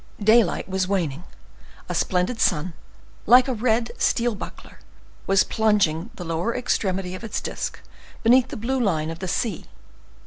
Daylight was waning, a splendid sun, like a red steel buckler, was plunging the lower extremity of its disc beneath the blue line of the sea.